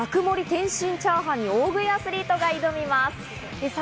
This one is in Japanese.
天津チャーハンに大食いアスリートが挑みます。